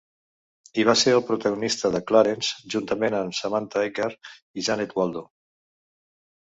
I va ser el protagonista de 'Clarence', juntament amb Samantha Eggar i Janet Waldo.